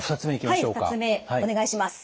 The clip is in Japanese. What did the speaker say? はい２つ目お願いします。